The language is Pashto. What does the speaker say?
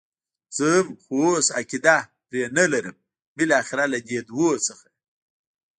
زه هم، خو اوس عقیده پرې نه لرم، بالاخره له دې دوو څخه.